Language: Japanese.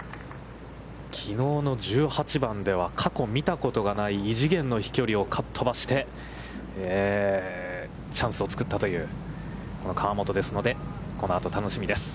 きのうの１８番では過去見たことことがない異次元の飛距離をかっ飛ばして、チャンスを作ったというこの河本ですので、このあと楽しみです。